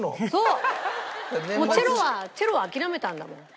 もうチェロは諦めたんだもん。